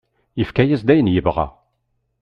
Yefka-as-d ayen yebɣa.